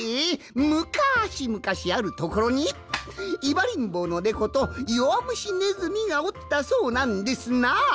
むかしむかしあるところにいばりんぼうのネコとよわむしネズミがおったそうなんですな。